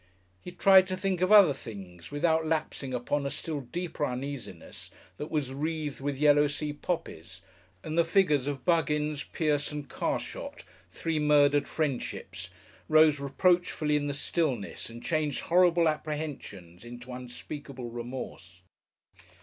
He tried to think of other things, without lapsing upon a still deeper uneasiness that was wreathed with yellow sea poppies, and the figures of Buggins, Pierce and Carshot, three murdered Friendships, rose reproachfully in the stillness and changed horrible apprehensions into unspeakable remorse.